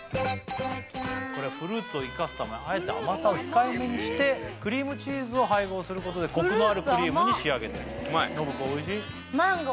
これはフルーツを生かすためあえて甘さを控えめにしてクリームチーズを配合することでコクのあるクリームに仕上げてる信子おいしい？